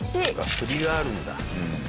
振りがあるんだ。